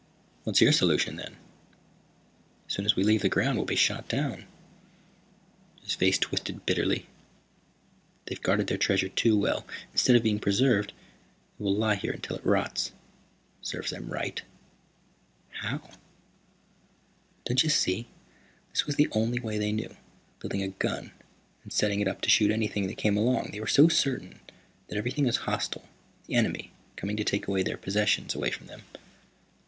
"What's your solution, then? As soon as we leave the ground we'll be shot down." His face twisted bitterly. "They've guarded their treasure too well. Instead of being preserved it will lie here until it rots. It serves them right." "How?" "Don't you see? This was the only way they knew, building a gun and setting it up to shoot anything that came along. They were so certain that everything was hostile, the enemy, coming to take their possessions away from them.